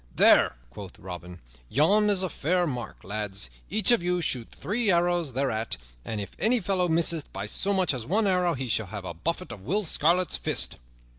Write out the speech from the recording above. "There," quoth Robin, "yon is a fair mark, lads. Each of you shoot three arrows thereat; and if any fellow misseth by so much as one arrow, he shall have a buffet of Will Scarlet's fist."